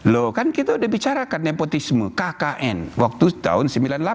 loh kan kita udah bicarakan nepotisme kkn waktu tahun seribu sembilan ratus sembilan puluh delapan